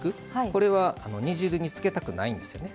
これは煮汁につけたくないんですよね。